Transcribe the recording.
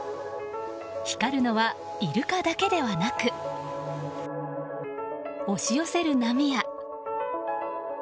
光るのは、イルカだけではなく押し寄せる波や。